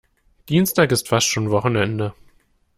Dienstag ist fast schon Wochenende.